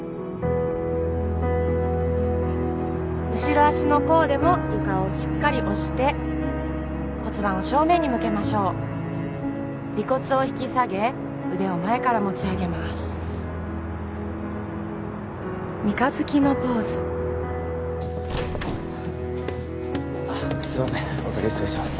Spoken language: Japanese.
後ろ足の甲でも床をしっかり押して骨盤を正面に向けましょう尾骨を引き下げ腕を前から持ち上げます三日月のポーズすいませんお先に失礼します